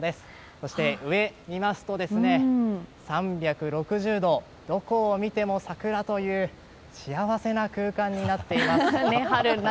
そして上、見ますと３６０度どこを見ても桜という幸せな空間になっています。